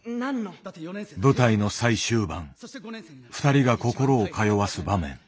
舞台の最終盤２人が心を通わす場面。